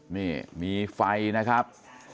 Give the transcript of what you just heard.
นี่มีไฟนะครับ